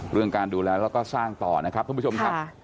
เรื่องการดูแลแล้วก็สร้างต่อนะครับทุกผู้ชมครับ